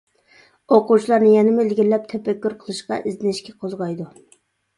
ئوقۇغۇچىلارنى يەنىمۇ ئىلگىرىلەپ تەپەككۇر قىلىشقا، ئىزدىنىشكە قوزغايدۇ.